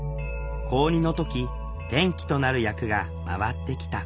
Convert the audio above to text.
高２の時転機となる役が回ってきた